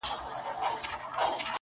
o وي د غم اوږدې كوڅې په خامـوشۍ كي.